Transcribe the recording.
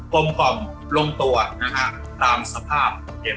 กลมกล่อมลงตัวตามสภาพ